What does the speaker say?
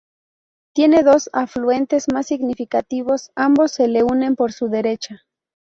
Tiene dos afluentes más significativos, ambos se le unen por su derecha.